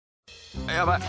ああやばい！